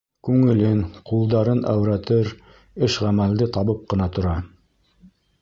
Күңелен, ҡулдарын әүрәтер эш-ғәмәлде табып ҡына тора.